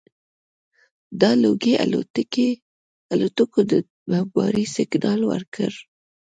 دا لوګي الوتکو ته د بمبارۍ سګنال ورکړ